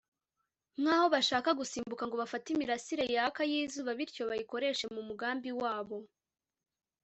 nkaho bashaka gusimbuka ngo bafate imirasire yaka yizuba bityo bayikoreshe mu mugambi wabo